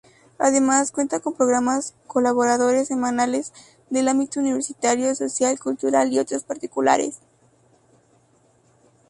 Además, cuenta con programas colaboradores semanales del ámbito universitario, social, cultural y otros particulares.